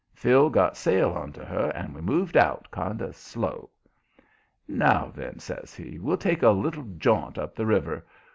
Phil got sail onto her, and we moved out kind of slow. "Now, then," says he, "we'll take a little jaunt up the river.